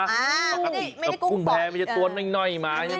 อ่าไม่ได้กุ้งแพงมันจะตัวน้อยมาใช่ไหม